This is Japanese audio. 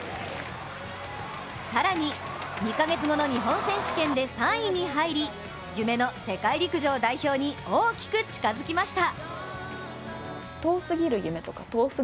更に２か月後の日本選手権で３位に入り、夢の世界陸上代表に大きく近づきました。